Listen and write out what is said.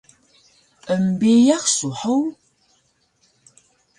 embiyax su hug!